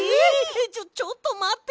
ちょちょっとまって！